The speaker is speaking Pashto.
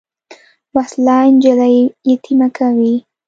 وسله نجلۍ یتیمه کوي